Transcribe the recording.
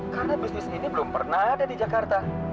karena bisnis ini belum pernah ada di jakarta